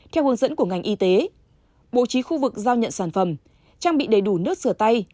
theo hướng dẫn của ngành y tế bố trí khu vực giao nhận sản phẩm trang bị đầy đủ nước sửa tay